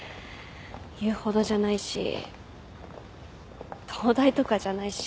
言うほどじゃないし東大とかじゃないし。